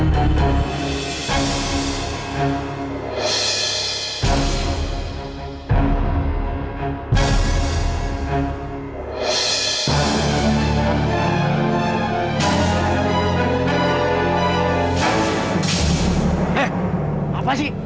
eh apa sih